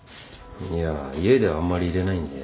いや家ではあんまり入れないんで。